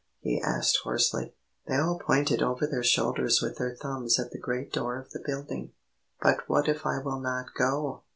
he asked hoarsely. They all pointed over their shoulders with their thumbs at the great door of the building. "But what if I will not go?"